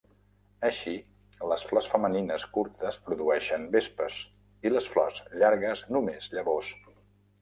Així, les flors femenines curtes produeixen vespes i les flors llargues només llavors.